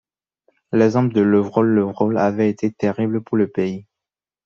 L’exemple de Levrault-Levrault avait été terrible pour le pays.